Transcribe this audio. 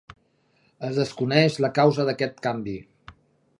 Es desconeix la causa d'aquest canvi.